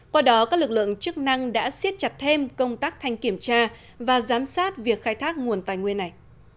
qua đó các lực lượng chức năng đã siết chặt thêm công tác thanh kiểm tra và giám sát việc khai thác nguồn tài nguyên này